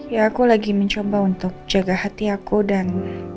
ya aku lagi mencoba untuk jaga hati aku dan